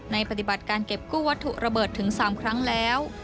ปฏิบัติการเก็บกู้วัตถุระเบิดถึง๓ครั้งแล้ว